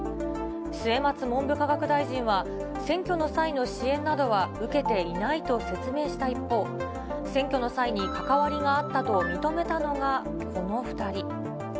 末松文部科学大臣は選挙の際の支援などは受けていないと説明した一方、選挙の際に関わりがあったと認めたのが、この２人。